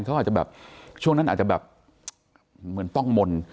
เขาอาจจะแบบช่วงนั้นอาจจะแบบเหมือนต้องมนต์